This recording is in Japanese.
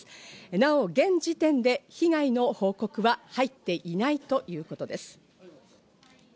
なお現時点で被害の報告は入っていないということです。